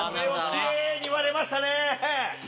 キレイに割れましたね。